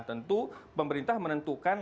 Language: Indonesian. tentu pemerintah menentukan